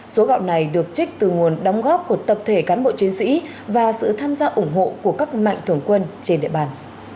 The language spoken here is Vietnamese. số gạo này được trích từ nguồn đóng góp của tập thể cán bộ chiến sĩ và sự tham gia ủng hộ của các mạnh thường quân trên địa bàn